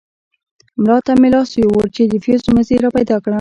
ملا ته مې لاس يووړ چې د فيوز مزي راپيدا کړم.